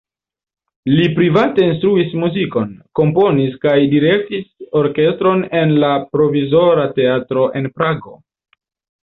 Li private instruis muzikon, komponis kaj direktis orkestron en la Provizora Teatro en Prago.